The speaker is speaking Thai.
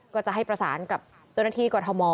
ก็จะให้ประสานกับเจ้าหน้าที่กรทม